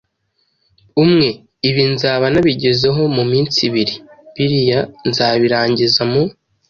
umwe. Ibi nzaba nabigezeho mu minsi ibiri, biriya nzabirangiza mu